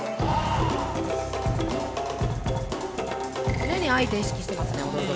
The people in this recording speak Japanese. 常に相手意識してますね踊る時。